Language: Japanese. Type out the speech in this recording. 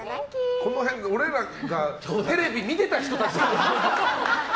この辺、俺らがテレビで見てた人たちだ！